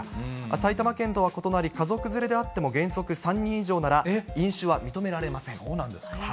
埼玉県とは異なり、家族連れであっても、原則３人以上なら飲酒は認められません。